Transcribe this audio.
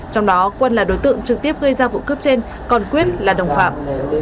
trong đó quân là đối tượng trực tiếp gây ra vụ cướp trên còn quyết là đồng phạm